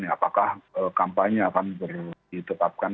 apakah kampanye akan ditetapkan